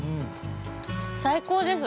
◆最高です。